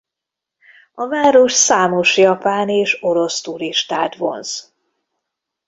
A város számos japán és orosz turistát vonz.